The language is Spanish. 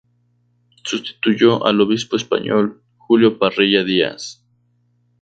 Sustituyó al obispo español, Julio Parrilla Díaz.